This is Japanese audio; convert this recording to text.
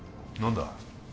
何だ？